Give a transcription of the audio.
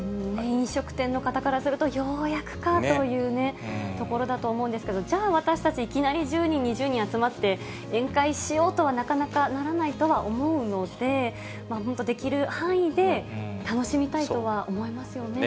飲食店の方からすると、ようやくかというね、ところだと思うんですけど、じゃあ、私たち、いきなり１０人、２０人集まって、宴会しようとはなかなかならないとは思うので、できる範囲で楽しみたいとは思いますよね。